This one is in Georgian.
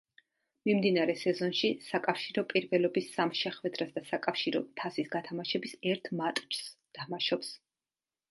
მიმდინარე სეზონში საკავშირო პირველობის სამ შეხვედრას და საკავშირო თასის გათამაშების ერთ მატჩს თამაშობს.